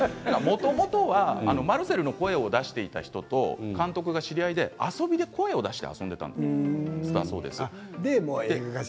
もともとがマルセルの声を出していた人と監督が知り合いで遊びで声を出していたんだそうです。